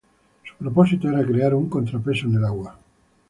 Su propósito era crear un contrapeso en el agua.